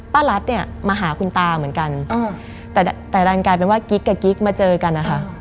รัฐเนี่ยมาหาคุณตาเหมือนกันแต่แต่ดันกลายเป็นว่ากิ๊กกับกิ๊กมาเจอกันนะคะ